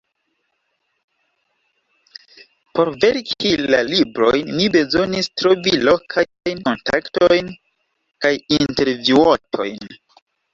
Por verki la librojn mi bezonis trovi lokajn kontaktojn kaj intervjuotojn.